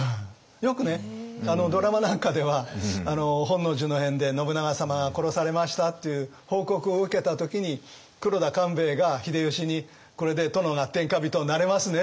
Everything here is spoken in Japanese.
よくねドラマなんかでは本能寺の変で信長様が殺されましたっていう報告を受けた時に黒田官兵衛が秀吉に「これで殿が天下人になれますね」って言った。